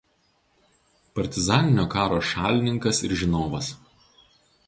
Partizaninio karo šalininkas ir žinovas.